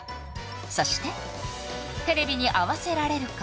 そしてテレビに合わせられるか？